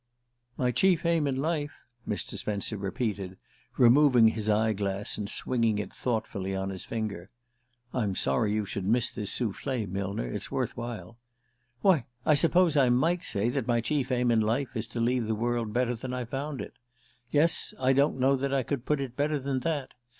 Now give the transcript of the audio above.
"My chief aim in life!" Mr. Spence repeated, removing his eye glass and swinging it thoughtfully on his finger. ("I'm sorry you should miss this souffle, Millner: it's worth while.) Why, I suppose I might say that my chief aim in life is to leave the world better than I found it. Yes: I don't know that I could put it better than that.